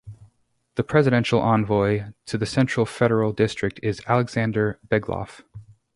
The Presidential Envoy to the Central Federal District is Alexander Beglov.